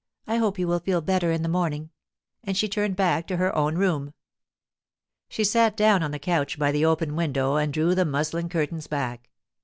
'I hope you will feel better in the morning,' and she turned back to her own room. She sat down on the couch by the open window and drew the muslin curtains back.